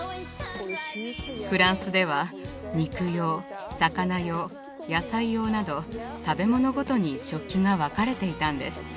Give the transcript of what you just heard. フランスでは肉用魚用野菜用など食べ物ごとに食器が分かれていたんです。